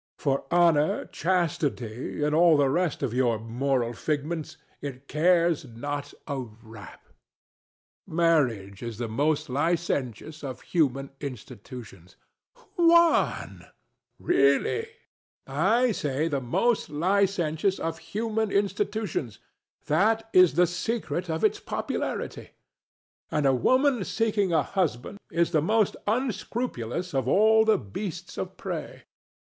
For honor, chastity and all the rest of your moral figments it cares not a rap. Marriage is the most licentious of human institutions ANA. Juan! THE STATUE. [protesting] Really! DON JUAN. [determinedly] I say the most licentious of human institutions: that is the secret of its popularity. And a woman seeking a husband is the most unscrupulous of all the beasts of prey.